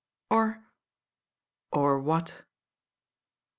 "Or what?"